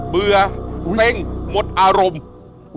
เบื่อเซ็งหมดอารมณ์